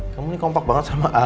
kamu ini kompak banget sama